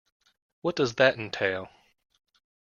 What does that entail?